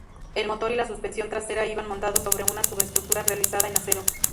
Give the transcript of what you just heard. El motor y la suspensión trasera iban montados sobre una subestructura realizada en acero.